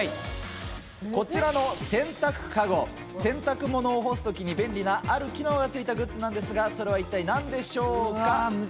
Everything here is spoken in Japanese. こちらの洗濯かご、洗濯物を干すときに便利なある機能がついたグッズなんですが、それは一体なんでしょうか？